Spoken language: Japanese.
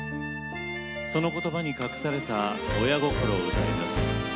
その言葉に隠された親心を歌います。